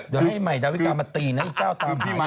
เดี๋ยวให้ใหม่ดาวิกามาตีนะอีกเจ้าตามพี่มา